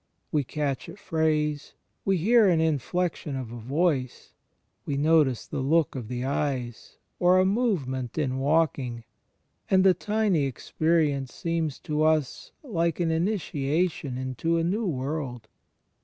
We catch a phrase, we hear an inflection of a voice, we notice the look of the eyes, or a movement in walking; and the tiny experience seems to us like an initiation into a new world.